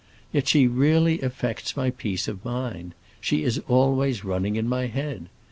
Yet she really affects my peace of mind; she is always running in my head.